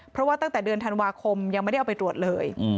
เพราะว่าตั้งแต่เดือนธันวาคมยังไม่ได้เอาไปตรวจเลย